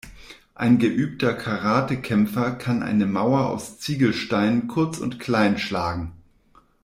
Ein geübter Karatekämpfer kann eine Mauer aus Ziegelsteinen kurz und klein schlagen.